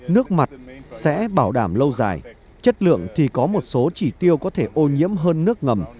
nước mặt sẽ bảo đảm lâu dài chất lượng thì có một số chỉ tiêu có thể ô nhiễm hơn nước ngầm